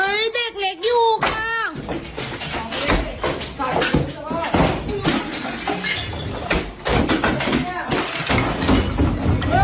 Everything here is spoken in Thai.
เอ้ยเด็กเล็กอยู่ค่ะ